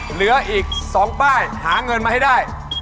เหลืออีก๒ป้ายหาเงินมาให้ได้